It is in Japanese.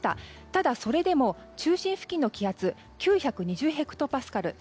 ただ、それでも中心付近の気圧９２０ヘクトパスカル。